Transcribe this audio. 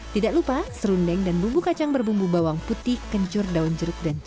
tidak lupa serundeng dan bumbu kacang berbumbu bawang putih kencur daun jeruk dan caba